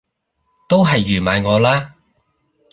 都係預埋我啦！